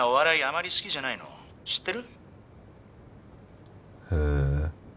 あまり好きじゃないの知ってる？へ。